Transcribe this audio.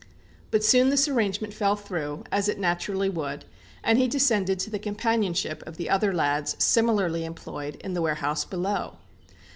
But soon this arrangement fell through, as it naturally would, and he descended to the companionship of the other lads, similarly employed, in the warehouse below.